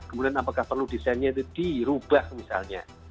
kemudian apakah perlu desainnya itu dirubah misalnya